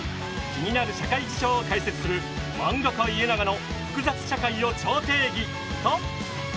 気になる社会事象を解説する「漫画家イエナガの複雑社会を超定義」と。